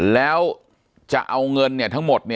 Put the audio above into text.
ปากกับภาคภูมิ